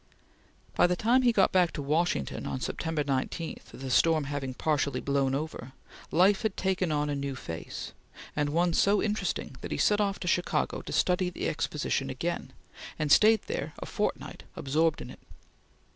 By the time he got back to Washington on September 19, the storm having partly blown over, life had taken on a new face, and one so interesting that he set off to Chicago to study the Exposition again, and stayed there a fortnight absorbed in it.